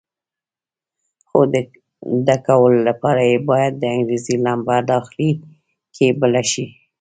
خو د کولو لپاره یې باید د انګېزې لمبه داخله کې بله شي.